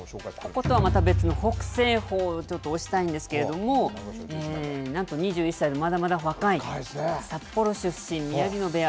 今回ちょっと北青鵬を推したいんですけどもなんと２１歳のまだまだ若い札幌出身で宮城野部屋。